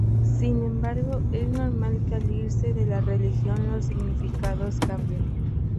Sin embargo, es normal que al irse de la región los significados cambien.